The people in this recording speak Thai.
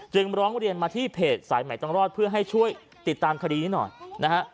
ร้องเรียนมาที่เพจสายใหม่ต้องรอดเพื่อให้ช่วยติดตามคดีนี้หน่อยนะฮะ